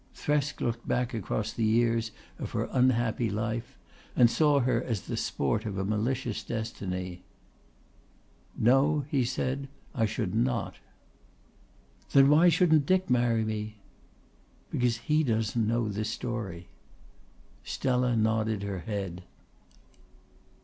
Thresk looked back across the years of her unhappy life and saw her as the sport of a malicious destiny. "No," he said, "I should not." "Then why shouldn't Dick marry me?" "Because he doesn't know this story." Stella nodded her head.